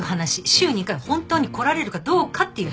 週２回本当に来られるかどうかっていう話。